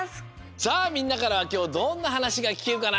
さあみんなからきょうどんなはなしがきけるかな？